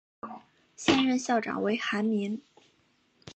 现任校长为韩民。